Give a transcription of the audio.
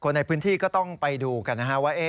คนในพื้นที่ก็ต้องไปดูกันว่า